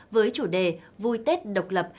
với chủ đề vui tết độc lập